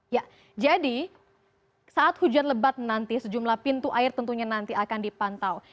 ya jadi saat hujan lebat nanti sejumlah pintu air tentunya nanti akan dipantau